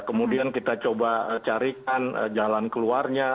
kemudian kita coba carikan jalan keluarnya